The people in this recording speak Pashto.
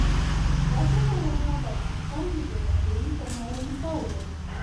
وحشي حیوانات د افغانستان د جغرافیوي تنوع مثال دی.